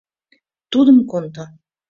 Тудым кондо!»